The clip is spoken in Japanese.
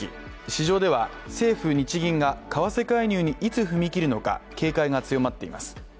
市場では政府・日銀が為替介入にいつ踏み切るのか警戒が強まっています。